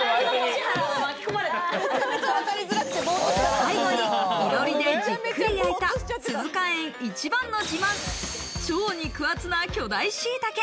最後に囲炉裏でじっくり焼いた鈴加園一番の自慢、超肉厚な巨大しいたけ。